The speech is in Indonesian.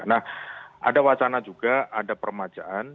nah ada wacana juga ada permajaan